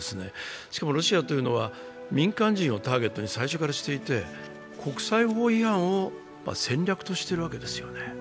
しかも、ロシアというのは民間人をターゲットに最初からしていて国際法違反を戦略としているわけですよね。